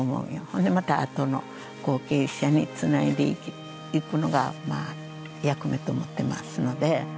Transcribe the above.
ほんでまたあとの後継者につないでいくのが役目と思ってますので。